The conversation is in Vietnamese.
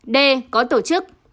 d có tổ chức